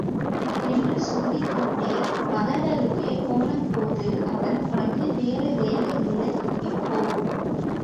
என்று சொல்லிக்கொண்டே மகளருகே போனபோது, அவள், ஒனக்கு வேற வேல இல்ல இப்போ?